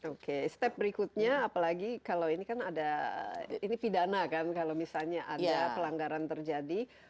oke step berikutnya apalagi kalau ini kan ada ini pidana kan kalau misalnya ada pelanggaran terjadi